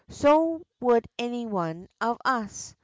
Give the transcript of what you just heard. So would any one of ns.